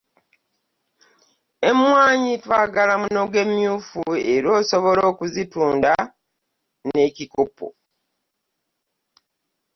Emmwanyi twagala munoge mmyufu era osobola okuzitunda n'ekikopo.